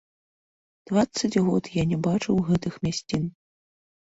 Дваццаць год я не бачыў гэтых мясцін.